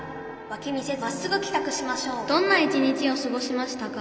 どんな一日をすごしましたか？」。